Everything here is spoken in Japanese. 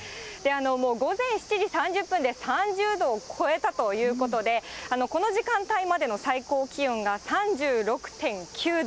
もう午前７時３０分で３０度を超えたということで、この時間帯までの最高気温が３６．９度。